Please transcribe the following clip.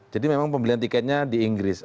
jadi memang pembelian tiketnya di inggris